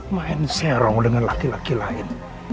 main serong dengan laki laki lain